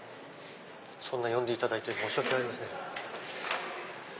呼んでいただいて申し訳ありません。